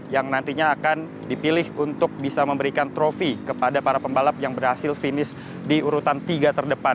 yang nantinya akan dipilih untuk bisa memberikan trofi kepada para pembalap yang berhasil finish di urutan tiga terdepan